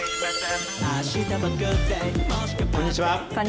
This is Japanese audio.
こんにちは。